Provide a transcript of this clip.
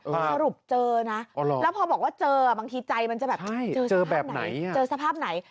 สรุปเจอนะแล้วพอบอกว่าเจอบางทีใจมันจะแบบเจอแบบไหนเจอสภาพไหน